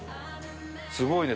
すごいね。